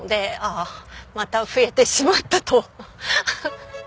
あまた増えてしまったと。